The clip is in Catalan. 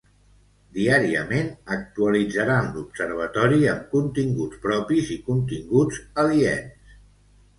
Diàriament, actualitzaran l'Observatori amb continguts propis i continguts aliens.